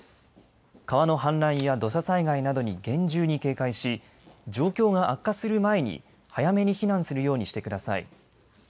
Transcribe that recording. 川の氾濫や土砂災害などに厳重に警戒し状況が悪化する前に早めに避難するようにしてください。